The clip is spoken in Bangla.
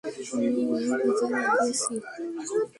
আমিই ভেজাল লাগিয়েছি।